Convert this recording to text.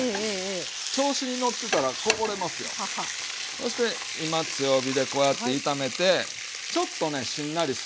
そして今強火でこうやって炒めてちょっとねしんなりするぐらいですわ。